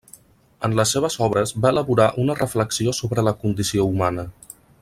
En les seves obres va elaborar una reflexió sobre la condició humana.